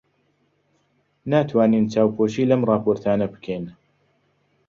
ناتوانین چاوپۆشی لەم ڕاپۆرتانە بکەین.